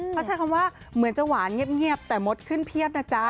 เขาใช้คำว่าเหมือนจะหวานเงียบแต่มดขึ้นเพียบนะจ๊ะ